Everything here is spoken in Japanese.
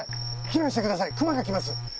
避難してください熊が来ます。